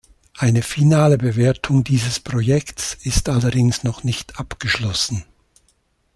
Eine finale Bewertung dieses Projekts ist allerdings noch nicht abgeschlossen.